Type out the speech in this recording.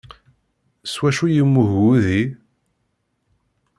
S wacu yemmug wudi?